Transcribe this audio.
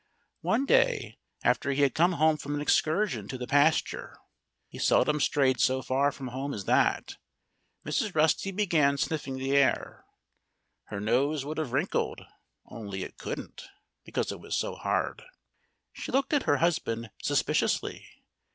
One day after he had come home from an excursion to the pasture (he seldom strayed so far from home as that!), Mrs. Rusty began sniffing the air. Her nose would have wrinkled only it couldn't, because it was so hard. She looked at her husband suspiciously.